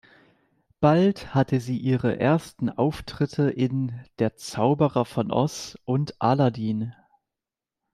Bald hatte sie ihre ersten Auftritte in "Der Zauberer von Oz" und "Aladin".